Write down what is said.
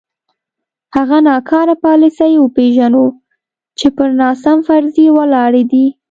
هغه ناکاره پالیسۍ وپېژنو چې پر ناسم فرضیو ولاړې دي.